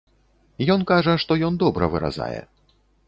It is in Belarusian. Ён кажа, што ён добра выразае.